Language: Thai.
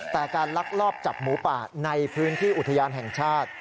แต่การลักลอบจับหมูป่าในพื้นที่อุทยานแห่งชาติ